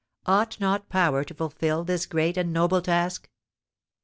Ought not power to fulfil this great and noble task?